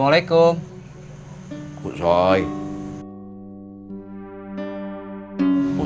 masih mau berhenti